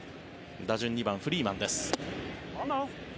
打順２番、フリーマンです。